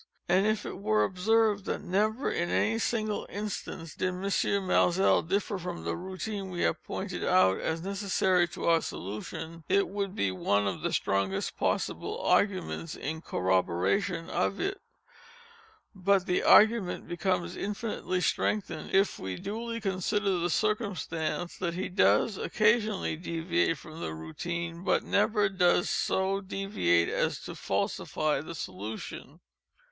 Now if it were observed that _never, in any single instance, _did M. Maelzel differ from the routine we have pointed out as necessary to our solution, it would be one of the strongest possible arguments in corroboration of it—but the argument becomes infinitely strengthened if we duly consider the circumstance that he _does occasionally _deviate from the routine but never does _so _deviate as to falsify the solution.